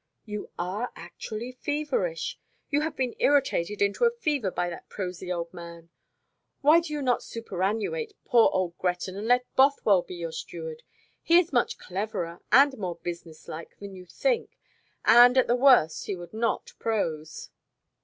"You are actually feverish. You have been irritated into a fever by that prosy old man. Why do you not superannuate poor old Gretton, and let Bothwell be your steward? He is much cleverer and more business like than you think, and at the worst he would not prose."